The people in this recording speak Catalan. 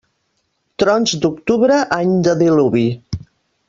Trons d'octubre, any de diluvi.